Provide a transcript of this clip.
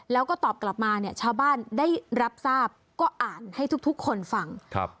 แล้วก็ตอบกลับมาเนี่ยชาวบ้านได้รับทราบก็อ่านให้ทุกคนฟัง